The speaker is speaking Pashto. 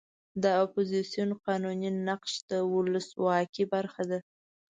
د اپوزیسیون قانوني نقش د ولسواکۍ برخه ده.